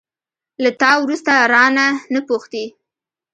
له تا وروسته، رانه، نه پوښتي